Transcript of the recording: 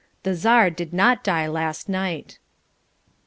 The Czar did not die last night.